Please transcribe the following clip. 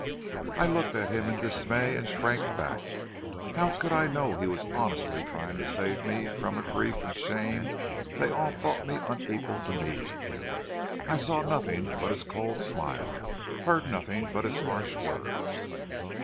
"I looked at him in dismay and shrank back. How could I know he was honestly trying to save me from a grief and shame they all thought me unequal to meeting. I saw nothing but his cold smile, heard nothing but his harsh words.